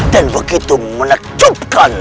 dan begitu menakjubkan